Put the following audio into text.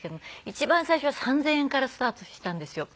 一番最初は３０００円からスタートしたんですよ。